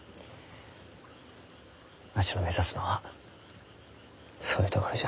わしが目指すのはそういうところじゃ。